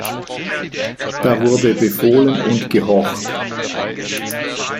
Da wurde befohlen und gehorcht“.